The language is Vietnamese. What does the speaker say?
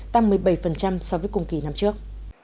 tăng một mươi bảy so với cùng kỳ năm trước